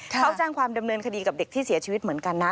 เขาแจ้งความดำเนินคดีกับเด็กที่เสียชีวิตเหมือนกันนะ